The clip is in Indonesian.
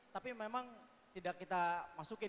tapi memang tidak kita masukin